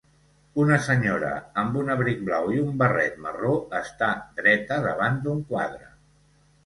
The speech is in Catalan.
Una senyora amb un abric blau i un barret marró està dreta davant d'un quadre.